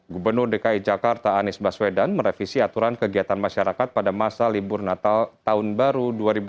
gubernur dki jakarta anies baswedan merevisi aturan kegiatan masyarakat pada masa libur natal tahun baru dua ribu dua puluh